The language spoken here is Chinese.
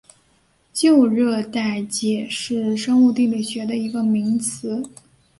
旧热带界是生物地理学的一个名词。